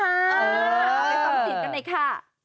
ไม่ต้องฟิตกันเลยค่ะ